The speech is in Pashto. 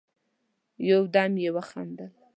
يودم يې وخندل: